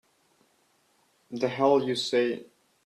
The hell you say!